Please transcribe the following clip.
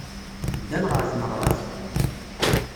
Ddan ɣer tneɣraft.